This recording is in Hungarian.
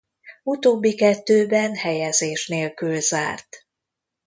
Utóbbi kettőben helyezés nélkül zárt.